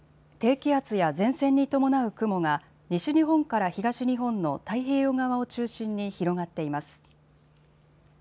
低気圧や前線に伴う雲が西日本から東日本の太平洋側を中心に広がっています。